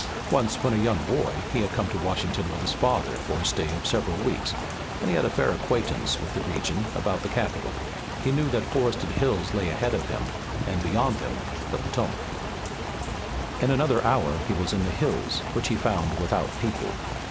Once, when a young boy, he had come to Washington with his father for a stay of several weeks, and he had a fair acquaintance with the region about the capital. He knew that forested hills lay ahead of him and beyond them the Potomac. In another hour he was in the hills, which he found without people.